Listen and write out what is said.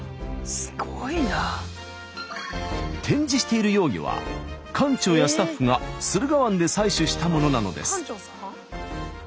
すごいな。展示している幼魚は館長やスタッフが駿河湾で採取したものなのです。